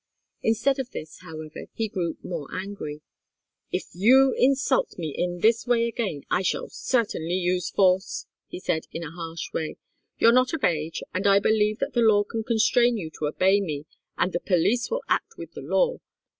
Instead of this, however, he grew more angry. "If you insult me in this way again, I shall certainly use force," he said, in a harsh way. "You're not of age, and I believe that the law can constrain you to obey me, and the police will act with the law.